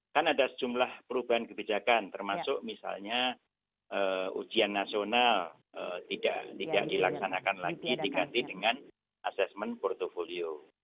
kan ada sejumlah perubahan kebijakan termasuk misalnya ujian nasional tidak dilaksanakan lagi diganti dengan asesmen portfolio